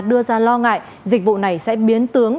đưa ra lo ngại dịch vụ này sẽ biến tướng